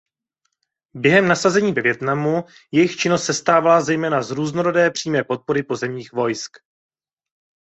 Během nasazení ve Vietnamu jejich činnost sestávala zejména z různorodé přímé podpory pozemních vojsk.